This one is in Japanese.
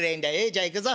じゃあ行くぞ。